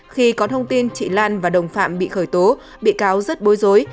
khi có thông tin chị lan và đồng phạm bị khởi tố bị cáo rất bối rối